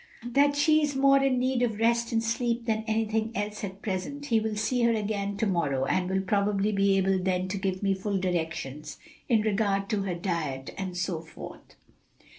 "That she is more in need of rest and sleep than anything else at present. He will see her again to morrow, and will probably be able then to give me full directions in regard to her diet and so forth."